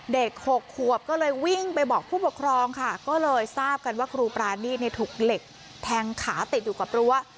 หกขวบก็เลยวิ่งไปบอกผู้ปกครองค่ะก็เลยทราบกันว่าครูปรานีตถูกเหล็กแทงขาติดอยู่กับรั้ว